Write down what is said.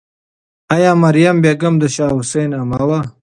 آیا مریم بیګم د شاه حسین عمه وه؟